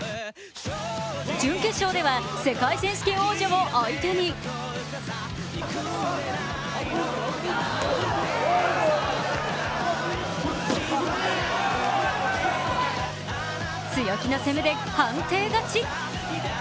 準決勝では世界選手権王者を相手に強気の攻めで判定勝ち。